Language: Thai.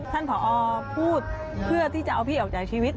ผอพูดเพื่อที่จะเอาพี่ออกจากชีวิต